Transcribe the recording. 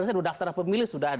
sudah ada daftar pemilih